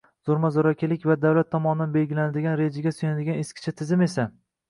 Zo‘rma-zo‘rakilik va davlat tomonidan belgilanadigan rejaga suyanadigan eskicha tizim esa